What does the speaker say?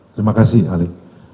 terima kasih ali